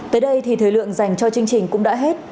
tới đây thì thời lượng dành cho chương trình cũng đã hết